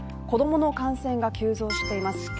子供の感染が急増しています。